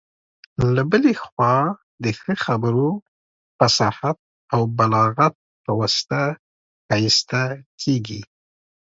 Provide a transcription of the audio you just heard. له بلي خوا د ښه خبرو، فصاحت او بلاغت په واسطه ښايسته کيږي.